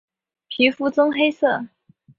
皮肤棕黑色。